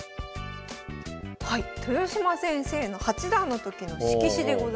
はい豊島先生の八段の時の色紙でございます。